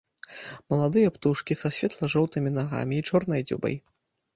Маладыя птушкі са светла-жоўтымі нагамі і чорнай дзюбай.